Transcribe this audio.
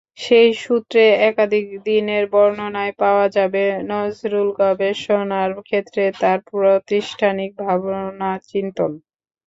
সেই সূত্রে একাধিক দিনের বর্ণনায় পাওয়া যাবে নজরুল-গবেষণার ক্ষেত্রে তাঁর প্রাতিষ্ঠানিক ভাবনা-চিন্তন।